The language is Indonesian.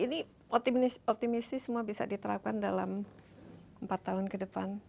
ini optimistis semua bisa diterapkan dalam empat tahun ke depan